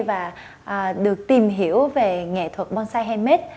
và được tìm hiểu về nghệ thuật bonsai handmade